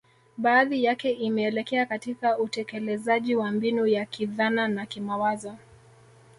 Baadhi yake imeelekea katika utekelezaji wa mbinu ya kidhana na kimawazo